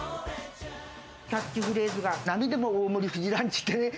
キャッチフレーズが並でも大盛り冨士ランチってね。